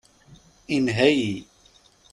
Inha-yi.